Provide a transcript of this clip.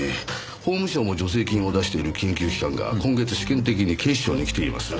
法務省も助成金を出している研究機関が今月試験的に警視庁に来ています。